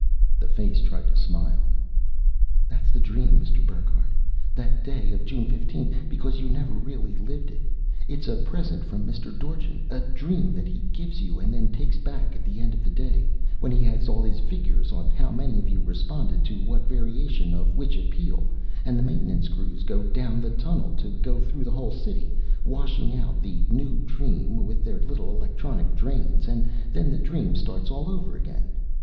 The face tried to smile. "That's the dream, Mr. Burckhardt, that day of June 15th, because you never really lived it. It's a present from Mr. Dorchin, a dream that he gives you and then takes back at the end of the day, when he has all his figures on how many of you responded to what variation of which appeal, and the maintenance crews go down the tunnel to go through the whole city, washing out the new dream with their little electronic drains, and then the dream starts all over again.